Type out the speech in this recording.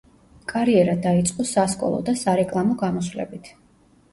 კარიერა დაიწყო სასკოლო და სარეკლამო გამოსვლებით.